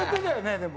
でも。